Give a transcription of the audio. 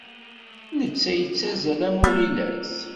Netta yettazzal am uɣilas.